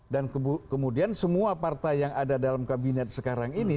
dan kemudian semua partai yang ada dalam kabinet sekarang ini